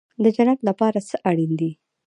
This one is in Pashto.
د جنت لپاره څه شی اړین دی؟